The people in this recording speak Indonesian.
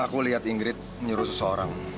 aku lihat ingrid menyuruh seseorang